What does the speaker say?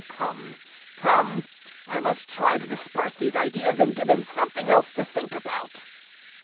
Come, come, I must try to disperse these ideas and give him something else to think about."